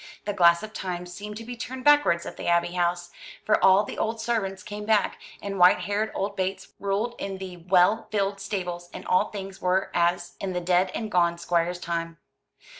The glass of Time seemed to be turned backwards at the Abbey House; for all the old servants came back, and white haired old Bates ruled in the well filled stables, and all things were as in the dead and gone Squire's time.